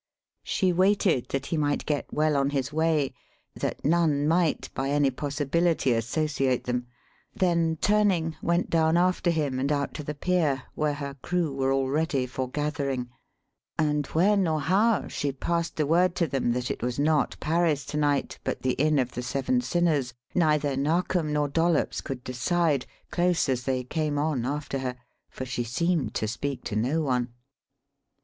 She waited that he might get well on his way that none might by any possibility associate them then turning, went down after him and out to the pier, where her crew were already forgathering; and when or how she passed the word to them that it was not Paris to night but the Inn of the Seven Sinners, neither Narkom nor Dollops could decide, close as they came on after her, for she seemed to speak to no one.